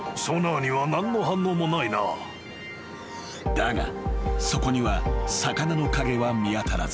［だがそこには魚の影は見当たらず］